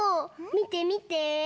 みてみて。